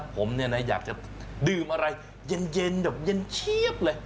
ผมเนี่ยนะอยากจะดื่มอะไรเย็นแบบเย็นเชียบเลย